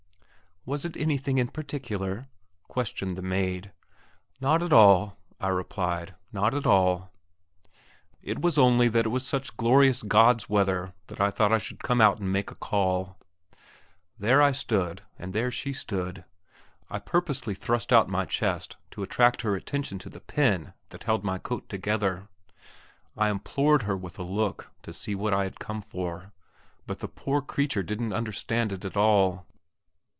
"Was it anything particular?" questioned the maid. "Not at all," I replied, "not at all." It was only just that it was such glorious God's weather that I thought I would come out and make a call. There I stood, and there she stood. I purposely thrust out my chest to attract her attention to the pin that held my coat together. I implored her with a look to see what I had come for, but the poor creature didn't understand it at all.